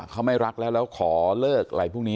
เขาไม่รักแล้วแล้วขอเลิกอะไรพวกนี้